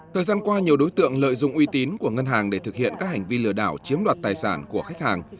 thời gian qua nhiều đối tượng lợi dụng uy tín của ngân hàng để thực hiện các hành vi lừa đảo chiếm đoạt tài sản của khách hàng